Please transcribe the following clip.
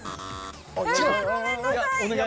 わあごめんなさい。